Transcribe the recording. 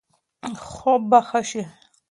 خوب به ښه شي.